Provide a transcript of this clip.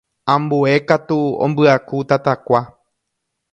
ambue katu ombyaku tatakua.